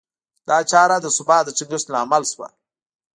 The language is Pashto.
دا چاره د ثبات د ټینګښت لامل شوه.